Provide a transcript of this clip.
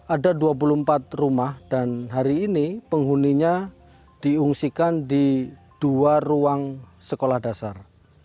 ada dua puluh empat rumah dan hari ini penghuninya diungsikan di dua ruang sekolah dasar